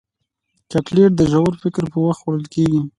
چاکلېټ د ژور فکر پر وخت خوړل کېږي.